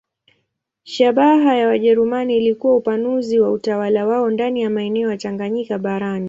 Shabaha ya Wajerumani ilikuwa upanuzi wa utawala wao ndani ya maeneo ya Tanganyika barani.